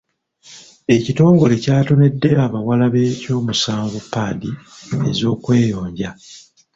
Ekitongole kyatonedde abawala be ky'omusanvu paadi ez'okweyonja.